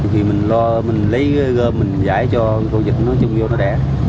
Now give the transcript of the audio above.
thì mình lo mình lấy gơm mình giải cho con vịt nó chung vô nó đẻ